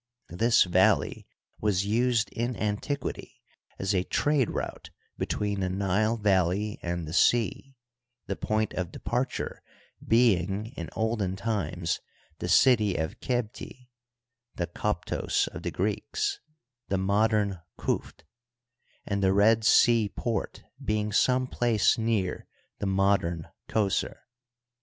This valley was used in antiquity as a trade route between the Nile valley and the sea, the point of departure being in olden times the city of Qebti (the Koptos of the Greeks, the modem Quft), and the Red Sea port being som6 place near the modern Qos^r).